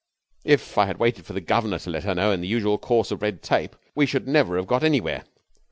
If I had waited for the governor to let her know in the usual course of red tape we should never have got anywhere.